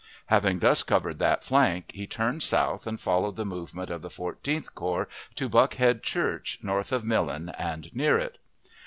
Having thus covered that flank, he turned south and followed the movement of the Fourteenth Corps to Buckhead Church, north of Millen and near it.